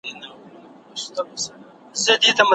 علم د انسان ژوند ته مانا ورکوي.